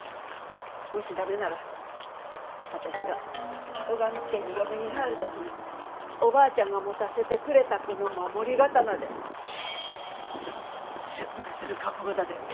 もし駄目なら私が尾上家に嫁に入るときにおばあちゃんが持たせてくれたこの守り刀で切腹する覚悟だで。